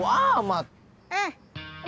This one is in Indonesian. nama aku bapak itomu